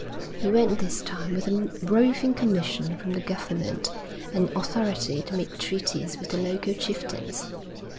He went this time with a roving commission from the government, and authority to make treaties with the local chieftains.